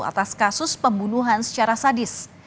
atas kasus pembunuhan secara sadis